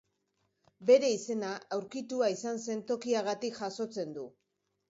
Bere izena, aurkitua izan zen tokiagatik jasotzen du.